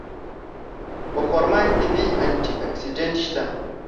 په خرما کې طبیعي انټي اکسېډنټ شته.